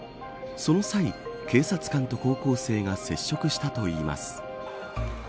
その際、警察官と高校生が接触したといいます。